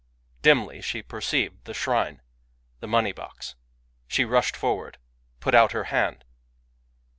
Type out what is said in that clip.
Dimly she perceived the shrine, — the money box. She rushed forward, — put out her hand.